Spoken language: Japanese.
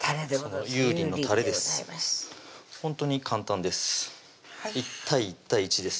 ほんとに簡単です